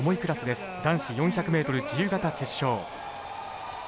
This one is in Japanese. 男子４００ｍ自由形決勝。